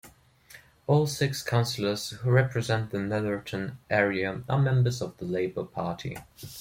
All six councillors who represent the Netherton area are members of the Labour Party.